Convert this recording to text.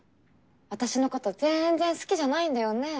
私のこと全然好きじゃないんだよね？